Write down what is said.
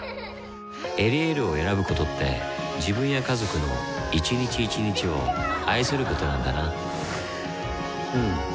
「エリエール」を選ぶことって自分や家族の一日一日を愛することなんだなうん。